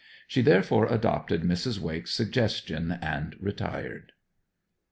She therefore adopted Mrs. Wake's suggestion and retired.